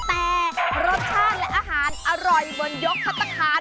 แต่รสชาติและอาหารอร่อยบนยกพัฒนาคาร